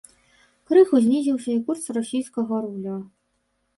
Крыху знізіўся і курс расійскага рубля.